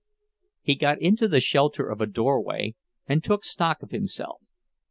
He got into the shelter of a doorway and took stock of himself.